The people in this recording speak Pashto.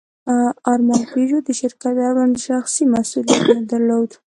ارمان پيژو د شرکت اړوند شخصي مسوولیت نه درلود.